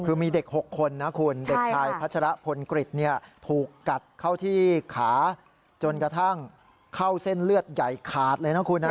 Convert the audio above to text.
คือมีเด็ก๖คนนะคุณเด็กชายพัชรพลกฤษถูกกัดเข้าที่ขาจนกระทั่งเข้าเส้นเลือดใหญ่ขาดเลยนะคุณนะ